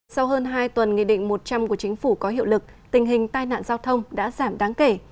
sau hơn hai tuần nghị định một trăm linh của chính phủ có hiệu lực tình hình tai nạn giao thông đã giảm đáng kể